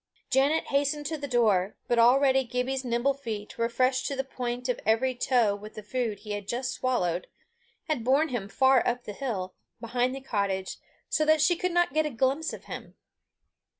Janet hastened to the door, but already Gibbie's nimble feet refreshed to the point of every toe with the food he had just swallowed, had borne him far up the hill, behind the cottage, so that she could not get a glimpse of him.